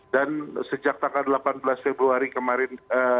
dan sejak tanggal delapan belas februari kemarin